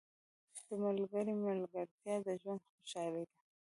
• د ملګري ملګرتیا د ژوند خوشحالي ده.